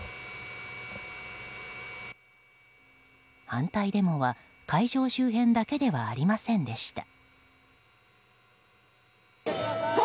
反対デモは、会場周辺だけではありませんでした。